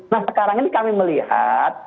nah sekarang ini kami melihat